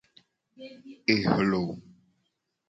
Ewlo.